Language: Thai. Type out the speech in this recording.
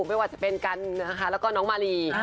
ไม่ว่าจะเป็นกันนะคะแล้วก็น้องมาลี